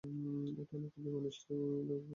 এটা অনেকটা বিমানের স্টিয়ারিং উইং উপরে তোলার মতো।